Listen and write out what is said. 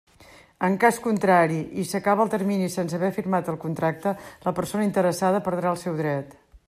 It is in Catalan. En cas contrari i s'acaba el termini sense haver firmat el contracte, la persona interessada perdrà el seu dret.